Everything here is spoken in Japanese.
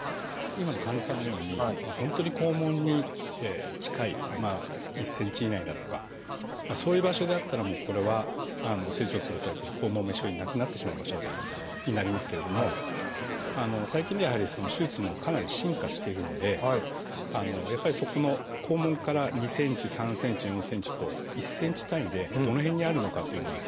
今の患者さんのように本当に肛門に近い１ｃｍ以内だとかそういう場所であったらこれは成長するとやっぱり肛門も一緒になくなってしまう場所になりますけれども最近ではやはり手術もかなり進化しているのでやっぱりそこの肛門から２ｃｍ３ｃｍ４ｃｍと１ｃｍ単位でどの辺にあるのかというのも非常に重要なんですね。